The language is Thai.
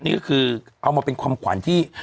นี่ก็คือเอามาเป็นความขวัญที่